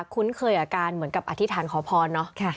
คุ้นเคยกับการเหมือนกับอธิษฐานขอพรเนาะ